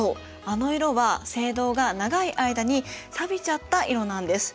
あの色は青銅が長い間にさびちゃった色なんです。